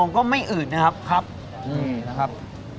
ของก็ไม่อืดนะครับครับอืมนะครับ